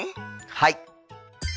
はい。